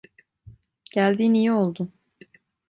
Geldiğin iyi oldu.